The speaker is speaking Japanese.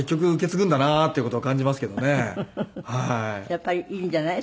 やっぱりいいんじゃない？